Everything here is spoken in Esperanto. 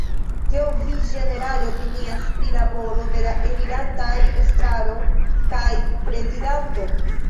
Kion vi ĝenerale opinias pri laboro de la elirantaj estraro kaj prezidanto?